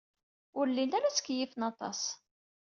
Ur llin ara ttkeyyifen aṭas.